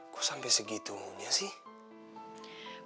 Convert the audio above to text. kok sampe segitunya sih